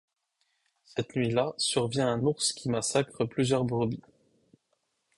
Cette nuit-là survient un ours qui massacre plusieurs brebis.